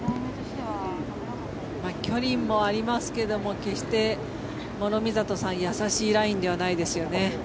距離もありますが決して、諸見里さん易しいラインではないですよね。